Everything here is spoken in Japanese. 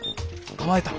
構えた！